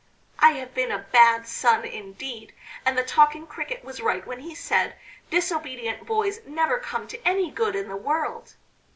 I have been a bad son, indeed, and the Talking cricket was right when he said 'Disobedient boys never come to any good in the world.'